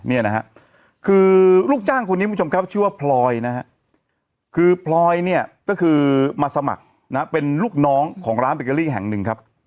เนี่ยนะฮะคือลูกจ้างคนนี้คุณผู้ชมครับชื่อว่าพลอยนะฮะคือพลอยเนี่ยก็คือมาสมัครนะเป็นลูกน้องของร้านเบเกอรี่แห่งหนึ่งครับ